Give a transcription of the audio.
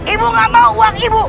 ibu gak mau uang ibu